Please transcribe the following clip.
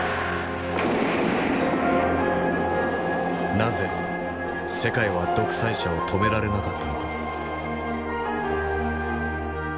なぜ世界は独裁者を止められなかったのか。